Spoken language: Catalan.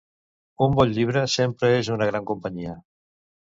Un bon llibre sempre és una gran companyia.